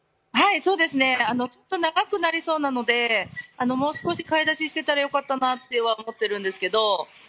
長くなりそうなのでもう少し買い出ししていたらよかったなと思っているんですけど。